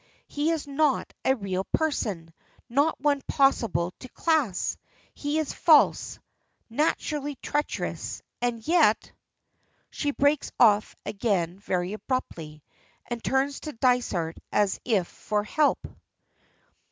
He is not a real person, not one possible to class. He is false naturally treacherous, and yet " She breaks off again very abruptly, and turns to Dysart as if for help.